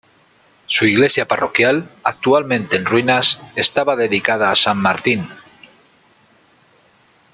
Su iglesia parroquial, actualmente en ruinas, estaba dedicada a san Martín.